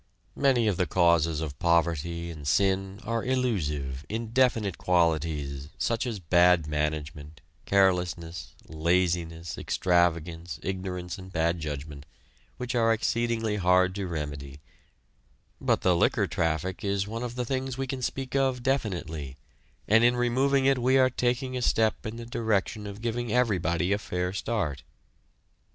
Many of the causes of poverty and sin are illusive, indefinite qualities such as bad management, carelessness, laziness, extravagance, ignorance and bad judgment, which are exceedingly hard to remedy, but the liquor traffic is one of the things we can speak of definitely, and in removing it we are taking a step in the direction of giving everybody a fair start.